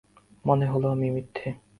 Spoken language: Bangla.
মনে হল আমি মিথ্যে।